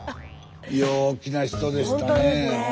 陽気な人でしたねえ。